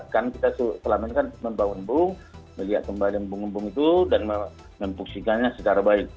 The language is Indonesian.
kan kita selama ini kan membangun bung melihat kembali embung embung itu dan memfungsikannya secara baik